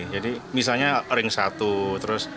jadi misalnya ring satu